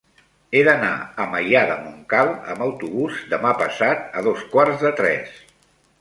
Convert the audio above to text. He d'anar a Maià de Montcal amb autobús demà passat a dos quarts de tres.